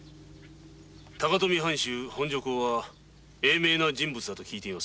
高富藩主の本庄侯は英明な人物と聞いています。